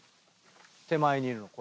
手前にいるの。